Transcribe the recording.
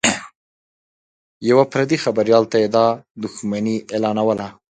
یوه پردي خبریال ته یې دا دښمني اعلانوله